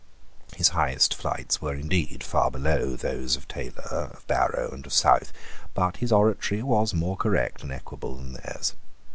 His highest flights were indeed far below those of Taylor, of Barrow, and of South; but his oratory was more correct and equable than theirs.